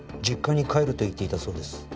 実家に帰ると言っていたそうです